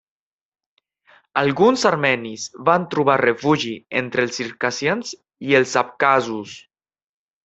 Alguns armenis van trobar refugi entre els circassians i els abkhazos.